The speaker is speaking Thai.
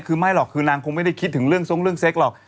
คือไม่หรอกคือนางคงไม่ได้คิดถึงเรื่องทรงเรื่องเซ็กหรอก